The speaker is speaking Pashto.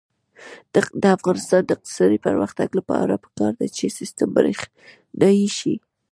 د افغانستان د اقتصادي پرمختګ لپاره پکار ده چې سیستم برښنايي شي.